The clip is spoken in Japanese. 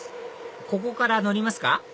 ここから乗りますか？